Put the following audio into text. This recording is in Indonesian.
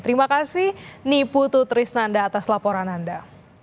terima kasih nipu tutris nanda atas laporan anda